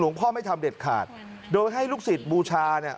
พ่อไม่ทำเด็ดขาดโดยให้ลูกศิษย์บูชาเนี่ย